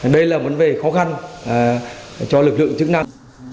đây là vấn đề khó khăn cho lực lượng chức năng